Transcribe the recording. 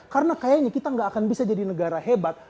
karena kayaknya kita nggak akan bisa jadi negara hebat